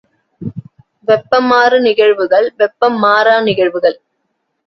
வெப்பமாறு நிகழ்வுகள், வெப்பம் மாறா நிகழ்வுகள்.